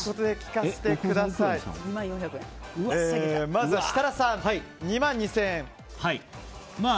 まずは設楽さん、２万２０００円。